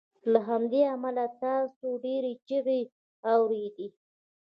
له همدې امله تاسو ډیرې چیغې اوریدې